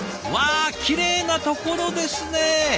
うわきれいなところですね！